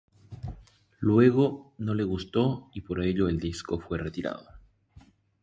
Luego no les gustó y por ello el disco fue retirado.